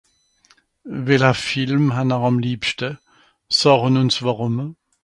weller Film hann'r àm libschte sàchen ùns wàrùm ?